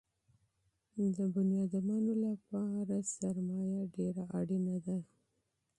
د انسانانو له پاره دولت ضروري دئ.